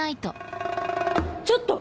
ちょっと！